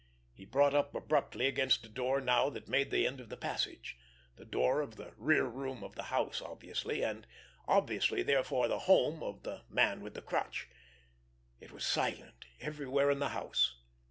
He brought up abruptly against a door now that made the end of the passage; the door of the rear room of the house obviously, and obviously, therefore, the "home" of the Man with the Crutch. It was silent everywhere in the house.